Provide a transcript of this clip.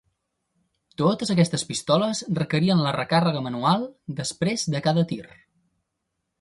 Totes aquestes pistoles requerien la recàrrega manual després de cada tir.